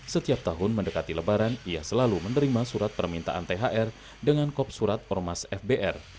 setiap tahun mendekati lebaran ia selalu menerima surat permintaan thr dengan kop surat ormas fbr